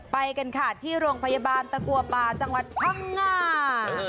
ไปกันค่ะที่โรงพยาบาลตะกัวป่าจังหวัดพังงา